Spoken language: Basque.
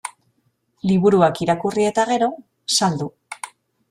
Liburuak irakurri eta gero, saldu.